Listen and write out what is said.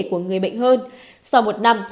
của người bệnh hơn sau một năm